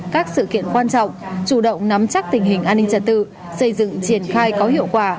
các sự kiện quan trọng chủ động nắm chắc tình hình an ninh trật tự xây dựng triển khai có hiệu quả